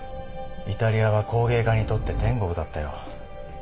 イタリアは工芸家にとって天国だったよ。